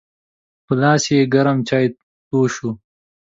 په لاس یې ګرم چای توی شو.